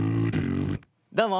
どうも！